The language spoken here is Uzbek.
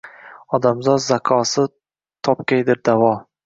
Odamzod zakosi topgaydir davo.